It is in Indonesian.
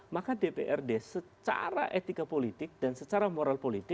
maka dprd secara etika politik dan secara moral politik